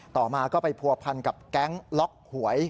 ต่อมาก็ไปผัวพันกับแก๊งล็อกหวย